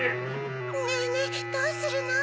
ねぇねぇどうするの？